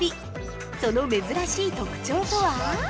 その珍しい特徴とは？